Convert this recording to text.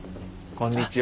こんにちは。